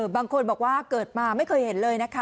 บางคนบอกว่าเกิดมาไม่เคยเห็นเลยนะคะ